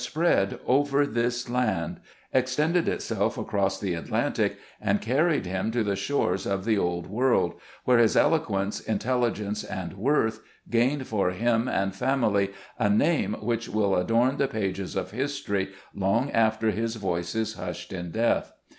spread over this 216 SKETCHES OF SLAVE LIFE. land, extended itself across the Atlantic, and carried him to the shores of the old world, where his elo quence, intelligence and worth, gained for himself and family a name which will adorn the pages of his tory long after his voice is hushed in death.